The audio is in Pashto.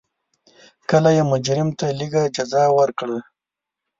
کله یې مجرم ته لږه جزا ورکړه.